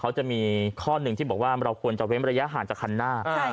เขาจะมีข้อหนึ่งที่บอกว่าเราควรจะเว้นระยะห่างจากคันหน้า